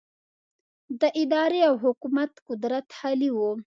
د ادارې او حکومت قدرت خالي و.